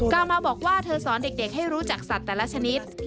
เอามาบอกว่าเธอสอนเด็กให้รู้จักสัตว์แต่ละชนิด